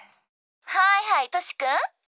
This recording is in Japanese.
はいはい歳くん？